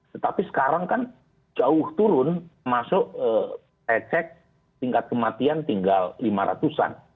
tetapi sekarang kan jauh turun masuk ecek tingkat kematian tinggal lima ratus an